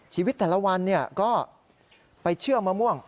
ชีวิตแต่ละวันก็ไปเชื่อมะม่วง